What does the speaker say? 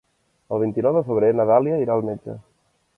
El vint-i-nou de febrer na Dàlia irà al metge.